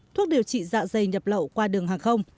thuốc điều trị dạ dày nhập lậu qua đường hàng không